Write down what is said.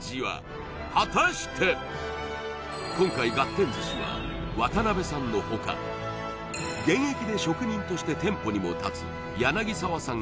今回がってん寿司は渡部さんのほか現役で職人として店舗にも立つ澤さん